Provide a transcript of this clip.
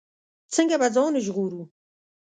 څنګه به ځان ژغورو.